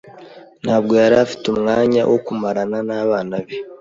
Ntabwo yari afite umwanya wo kumarana nabana be.